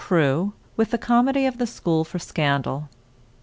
CREWE, WITH THE COMEDY OF THE SCHOOL FOR SCANDAL.)